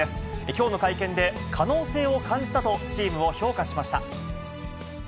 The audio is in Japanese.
きょうの会見で、可能性を感じたと、チームを評価しました。